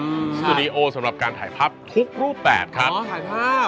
ครับสทหาร์ดีโอสำหรับการถ่ายภาพทุกรูปแปดครับอ๋อถ่ายภาพ